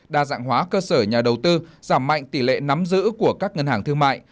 đa dạng hóa cơ sở nhà đầu tư giảm mạnh tỷ lệ nắm giữ của các ngân hàng thương mại